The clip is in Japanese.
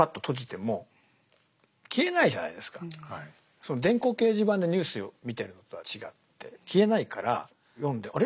その電光掲示板でニュース見てるのとは違って消えないから読んであれ？